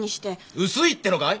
薄いってのかい？